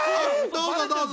どうぞどうぞ。